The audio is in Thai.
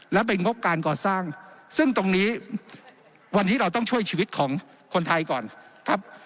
และเป็นงบการก่อสร้างซึ่งตรงนี้วันนี้เราต้องช่วยชีวิตของคนไทยก่อนครับ